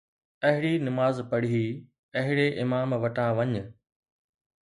اھڙي نماز پڙھي، اھڙي امام وٽان وڃ